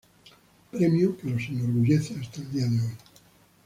Premio que los enorgullece hasta el día de hoy.